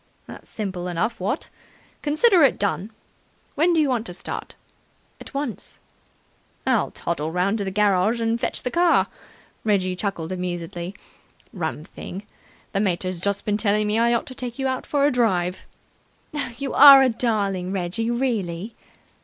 "That's simple enough, what? Consider it done. When do you want to start?" "At once." "I'll toddle round to the garage and fetch the car." Reggie chuckled amusedly. "Rum thing! The mater's just been telling me I ought to take you for a drive." "You are a darling, Reggie, really!"